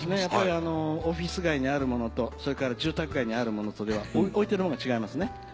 やっぱりオフィス街にあるものとそれから住宅街にあるものとでは置いてるものが違いますね。